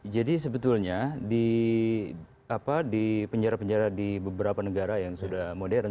jadi sebetulnya di penjara penjara di beberapa negara yang sudah modern